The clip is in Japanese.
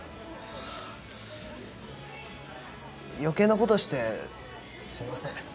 余計なことしてすいません。